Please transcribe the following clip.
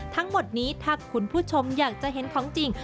ทั้งหมดนี้ถ้าคุณผู้ชมอยากจะเห็นของจริง